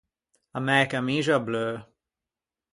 A mæ camixa bleu.